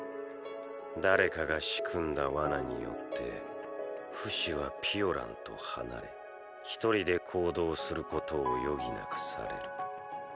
誰かが仕組んだ罠によってフシはピオランと離れひとりで行動することを余儀なくされる。